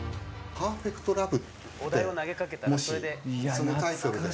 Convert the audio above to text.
「パーフェクトラブ」。